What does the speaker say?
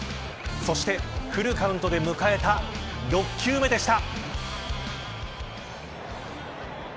そして、フルカウントで迎えた６球目でした。